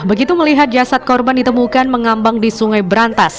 begitu melihat jasad korban ditemukan mengambang di sungai berantas